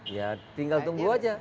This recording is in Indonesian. ya tinggal tunggu saja